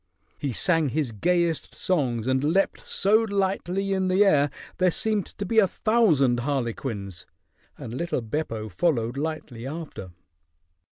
He sang his gayest songs and leaped so lightly in the air, there seemed to be a thousand harlequins, and little Beppo followed lightly after.